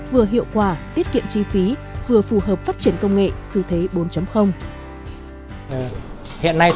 vừa hiệu quả tiết kiệm chi phí vừa phù hợp phát triển công nghệ xu thế bốn